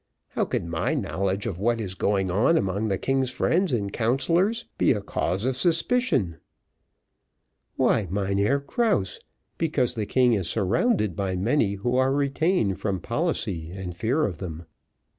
How can my knowledge of what is going on among the king's friends and councillors be a cause of suspicion?" "Why, Mynheer Krause, because the king is surrounded by many who are retained from policy and fear of them.